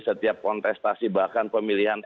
setiap kontestasi bahkan pemilihan